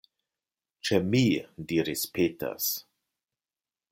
Ĉe mi, diris Peters.